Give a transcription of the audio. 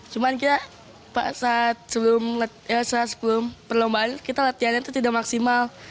cuman kita saat sebelum perlombaan kita latihan itu tidak maksimal